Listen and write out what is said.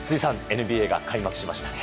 ＮＢＡが開幕しましたね。